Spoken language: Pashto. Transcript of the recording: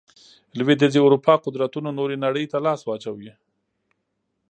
لوېدیځې اروپا قدرتونو نورې نړۍ ته لاس واچوي.